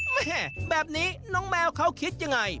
แม่แบบนี้น้องแมวเขาคิดยังไง